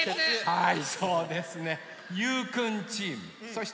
はい！